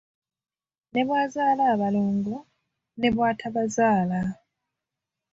Ne bw'azaala abalongo ne bw'atabazaala.